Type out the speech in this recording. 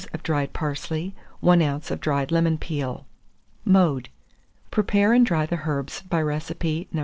of dried parsley, 1 oz. of dried lemon peel. Mode. Prepare and dry the herbs by recipe No.